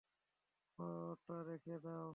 ওটা রেখে দাও।